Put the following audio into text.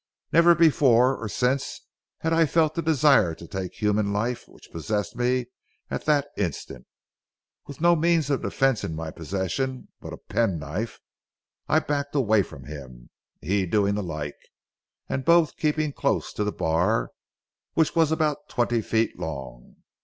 Never before or since have I felt the desire to take human life which possessed me at that instant. With no means of defense in my possession but a penknife, I backed away from him, he doing the like, and both keeping close to the bar, which was about twenty feet long.